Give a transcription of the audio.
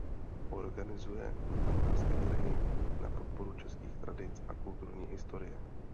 Organizuje tu farmářské trhy na podporu českých tradic a kulturní historie.